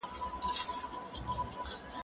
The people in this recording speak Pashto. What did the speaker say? زه مخکي د لوبو لپاره وخت نيولی وو!؟